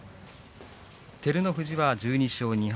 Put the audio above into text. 照ノ富士は１２勝２敗